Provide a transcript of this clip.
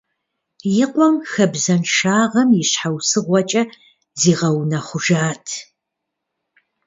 И къуэм хабзэншагъэм и щхьэусыгъуэкӏэ зигъэунэхъужат.